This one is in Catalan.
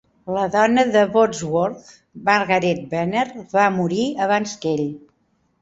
La dona de Bodsworth, Margaret Banner, va morir abans que ell.